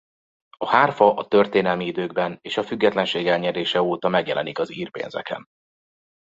A hárfa a történelmi időkben és a függetlenség elnyerése óta megjelenik az ír pénzeken.